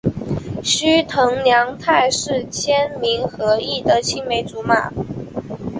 须藤良太是千明和义的青梅竹马。